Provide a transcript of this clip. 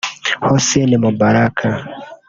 Hosni Moubarak